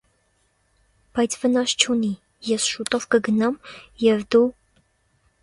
- Բայց վնաս չունի, ես շուտով կգնամ, և դու…